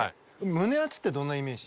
胸アツってどんなイメージ？